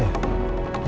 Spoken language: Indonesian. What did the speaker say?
tidak ada apa apa